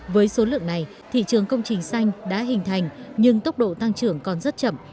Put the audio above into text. với số lượng này thị trường công trình xanh đã hình thành nhưng tốc độ tăng trưởng còn rất chậm